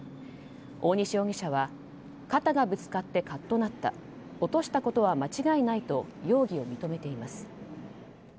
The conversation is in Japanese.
大西容疑者は肩がぶつかってカッとなった落としたことは間違いないと容疑を認めています。